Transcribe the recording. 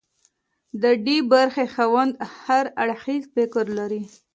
د ډي برخې خاوند هر اړخیز فکر لري.